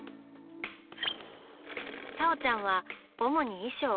「さおちゃん」は主に衣装。